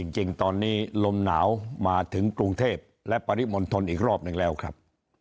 จริงตอนนี้ลมหนาวมาถึงกรุงเทพและปริมณฑลอีกรอบหนึ่งแล้วครับ